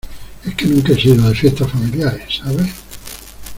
es que nunca he sido de fiestas familiares, ¿ sabes?